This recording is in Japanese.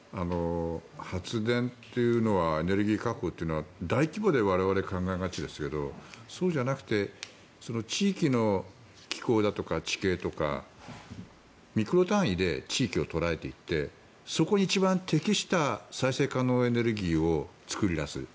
発電っていうのはエネルギー確保っていうのは大規模で我々、考えがちですがそうじゃなくてその地域の気候だとか地形だとかミクロ単位で地域を捉えていってそこに一番適した再生可能エネルギーを作り出す。